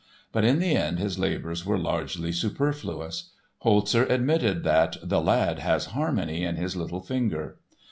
But in the end his labors were largely superfluous. Holzer admitted that "the lad has harmony in his little finger."